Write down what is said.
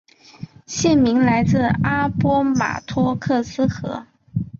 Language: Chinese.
县名来自阿波马托克斯河。